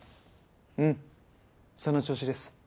うんその調子です。